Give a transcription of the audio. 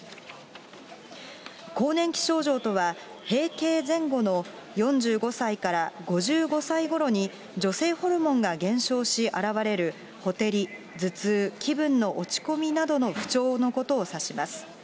更年期症状とは、閉経前後の４５歳から５５歳ごろに、女性ホルモンが減少し現れるほてり、頭痛、気分の落ち込みなどの不調のことを指します。